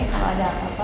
kalau ada apa apa